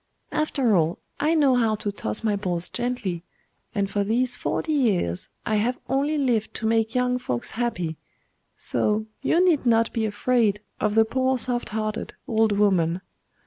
'After all, I know how to toss my balls gently and for these forty years I have only lived to make young folks happy; so you need not be afraid of the poor soft hearted old woman.